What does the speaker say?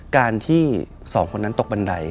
การที่๒คนนั้นตกบันได